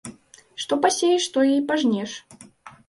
Што пасееш, тое і пажнеш.